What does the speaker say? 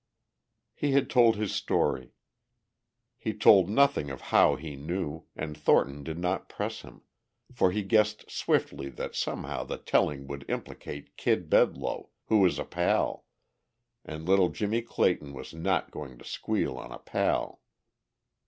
He had told his story. He told nothing of how he knew, and Thornton did not press him, for he guessed swiftly that somehow the telling would implicate Kid Bedloe, who was a pal... and little Jimmie Clayton was not going to squeal on a pal.